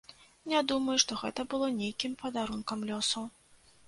Не думаю, што гэта было нейкім падарункам лёсу.